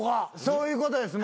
そういうことです